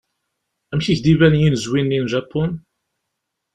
Amek i k-d-iban yinezwi-nni n Japun?